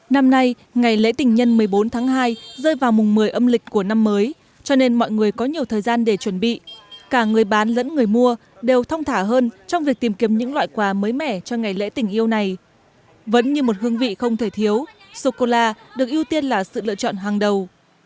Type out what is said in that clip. năm nay ngày lễ tình nhân một mươi bốn tháng hai rơi vào mùng một mươi âm lịch của năm mới cho nên mọi người có nhiều thời gian để chuẩn bị cả người bán lẫn người mua đều thong thả hơn trong việc tìm kiếm những loại quà mới mẻ cho ngày lễ tình yêu này vẫn như một hương vị không thể thiếu sô cô la được ưu tiên là sự lựa chọn hàng đầu